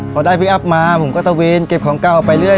พอได้พี่อัพมาผมก็ตะเวนเก็บของเก่าไปเรื่อย